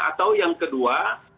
atau yang kedua